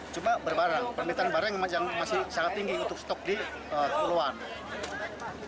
coba berbarang permintaan barang yang masih sangat tinggi untuk stok di luar